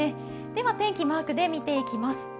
では天気、マークで見ていきます。